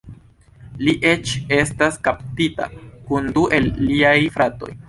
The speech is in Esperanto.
Li eĉ estas kaptita kun du el liaj fratoj.